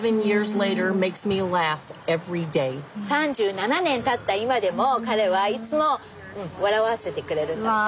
３７年たった今でも彼はいつも笑わせてくれるんだって。